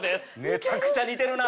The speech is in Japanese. めちゃくちゃ似てるな。